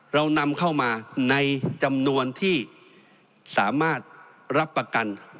เรานำเข้ามาในจำนวนที่สามารถรับประกัน